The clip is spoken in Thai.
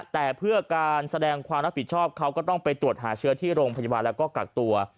แต่เพื่อการแสดงความรับผิดชอบเขาก็ต้องไปตรวจหาเชื้อที่โรงพยาบาลแล้วก็กักตัว